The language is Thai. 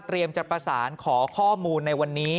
จะประสานขอข้อมูลในวันนี้